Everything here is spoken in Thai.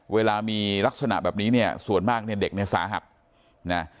เวลามีลักษณะแบบนี้เนี่ยส่วนมากเนี่ยเด็กเนี่ยสาหัสนะ